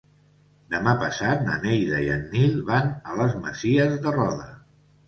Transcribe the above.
Demà passat na Neida i en Nil van a les Masies de Roda.